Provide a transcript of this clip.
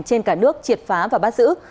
trên cả nước triệt phá và bắt giữ